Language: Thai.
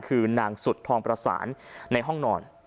คือนางสุดทองประสานในห้องนอน